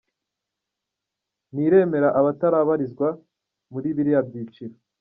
ntiremerera abatabarizwa muri biriya byiciro.